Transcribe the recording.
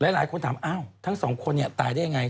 หลายคนถามอ้าวทั้งสองคนเนี่ยตายได้ยังไง